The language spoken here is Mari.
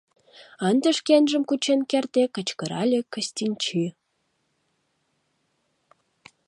- ынде шкенжым кучен кертде кычкырале Кыстинчи.